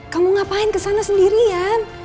kamu ngapain kesana sendirian